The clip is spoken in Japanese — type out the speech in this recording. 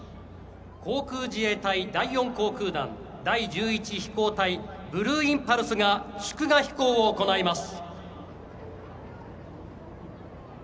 航空自衛隊第４航空団第１１飛行隊ブルーインパルスが祝賀飛行を行います。